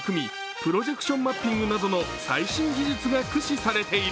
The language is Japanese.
プロジェクションマッピングなどの最新技術が駆使されている。